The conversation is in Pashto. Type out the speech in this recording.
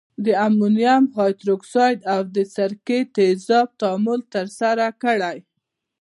د امونیم هایدورکساید او د سرکې تیزابو تعامل ترسره کړئ.